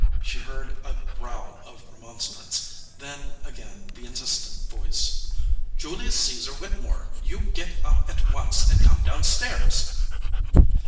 She heard a growl of remonstrance, then again the insistent voice : "Julius Caesar Whittemore, you get up at once and come down stairs."